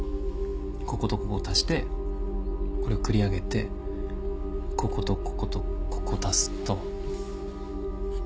こことここを足してこれ繰り上げてこことこことここ足すと。